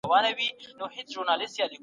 د سياست ډګر به تل له رقابتونو ډک وي.